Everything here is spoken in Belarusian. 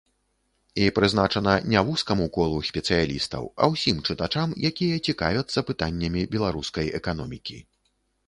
І прызначана не вузкаму колу спецыялістаў, а усім чытачам, якія цікавяцца пытаннямі беларускай эканомікі.